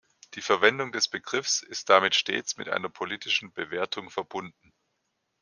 Die Verwendung des Begriffs ist damit stets mit einer politischen Bewertung verbunden.